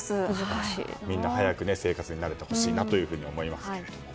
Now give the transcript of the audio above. みんな、早く生活に慣れてほしいなと思いますけれども。